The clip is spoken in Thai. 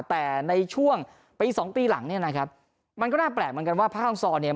แต่ในช่วงปีสองปีหลังเนี่ยนะครับมันก็น่าแปลกเหมือนกันว่าผ้าฮังซอเนี่ย